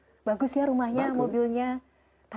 ya allah bagus yah rumahnya mobil dia lights ya allah